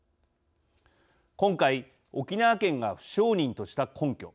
今回沖縄県が不承認とした根拠。